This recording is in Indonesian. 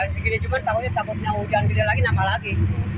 dari segini juga takutnya hujan bila lagi nama lagi